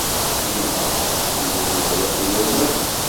Yemma ur tḥemmel ad waliɣ tiliẓri.